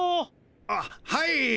あっはい。